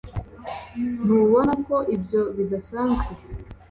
ntubona ko ibyo bidasanzwe